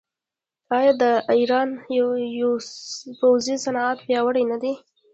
آیا د ایران پوځي صنعت پیاوړی نه دی؟